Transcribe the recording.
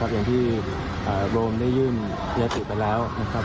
อย่างที่โรมได้ยื่นยติไปแล้วนะครับ